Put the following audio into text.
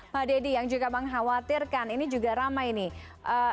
pak deddy yang juga mengkhawatirkan ini juga ramai nih